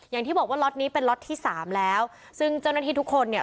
อย่างที่บอกว่าล็อตนี้เป็นล็อตที่สามแล้วซึ่งเจ้าหน้าที่ทุกคนเนี่ย